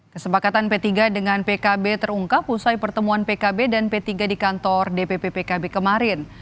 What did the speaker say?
kesepakatan p tiga dengan pkb terungkap usai pertemuan pkb dan p tiga di kantor dpp pkb kemarin